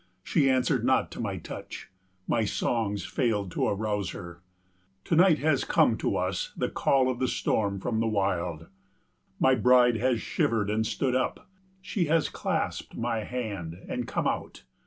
She answered not to my touch, my songs failed to arouse her. To night has come to us the call of the storm from the wild. My bride has shivered and stood up, she has clasped my hand and come out.